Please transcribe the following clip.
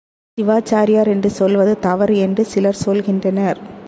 சிவாச்சாரியார் என்று சொல்வது தவறு என்று சிலர் சொல்கின்றனர்.